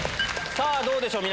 さぁどうでしょう？